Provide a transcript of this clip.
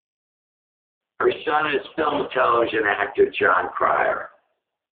Her son is film and television actor Jon Cryer.